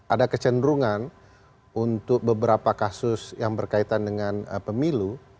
ada kecenderungan untuk beberapa kasus yang berkaitan dengan pemilu